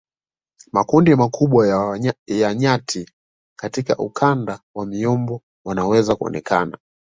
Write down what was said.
Makundi makubwa ya nyati katika ukanda wa miombo wanaweza kuonekana